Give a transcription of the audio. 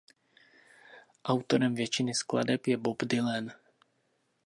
Autorem většiny skladeb je Bob Dylan.